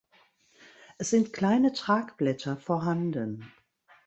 Es sind kleine Tragblätter vorhanden.